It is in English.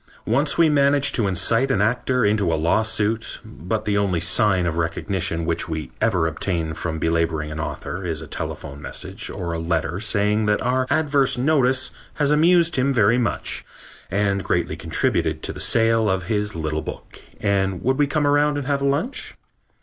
Once we managed to incite an actor into a lawsuit, but the only sign of recognition which we ever obtain from belaboring an author is a telephone message or a letter saying that our adverse notice has amused him very much and greatly contributed to the sale of his little book and would we come around and have lunch.